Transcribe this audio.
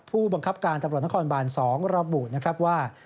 ผู้บังคับการตำรวจทางคอนบาน๒รอบบูรณ์ว่า